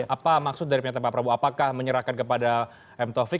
apa maksud dari pernyataan pak prabowo apakah menyerahkan kepada m taufik